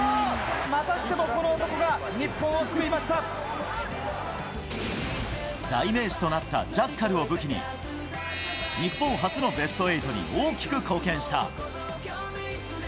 またしてもこの男が日本代名詞となったジャッカルを武器に、日本初のベスト８に大きく貢献した。